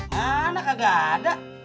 mana kagak ada